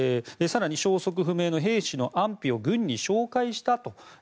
更に消息不明の兵士の安否を軍に照会したと。